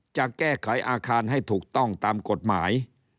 จะแก้ไขอาคารให้ถูกต้องตามกฎหมาย